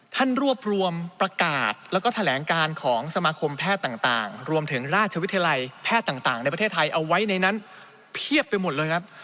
ท่านรวบรวมประกาศแล้วก็แถลงการของสมาคมแพทย์ต่างรวมถึงราชวิทยาลัยแพทย์ต่างในประเทศไทยเอาไว้ในนั้นเพียบไปหมดเลยครับ